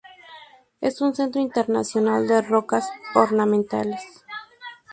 Es un centro internacional de rocas ornamentales.